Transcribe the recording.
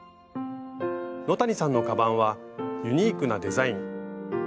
野谷さんのカバンはユニークなデザイン。